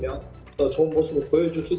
saya juga menarik dari thailand